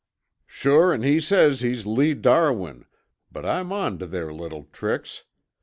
"Shure an' he says he's Lee Darwin, but Oi'm on to their little tricks.